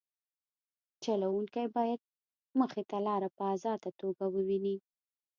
چلوونکی باید مخې ته لاره په ازاده توګه وویني